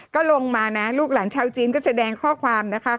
ก็ลงมานะลูกหลานชาวจีนก็แสดงข้อความนะคะ